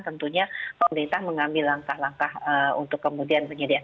tentunya pemerintah mengambil langkah langkah untuk kemudian menyediakan